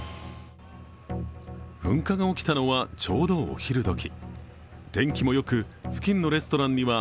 噴火が起きたのはちょうどお昼どき。